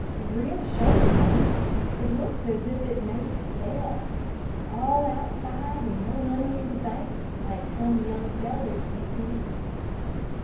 Real showy, ain't it? Looks as if 't was made to sell all outside and no money in the bank, like some young fellers ye see."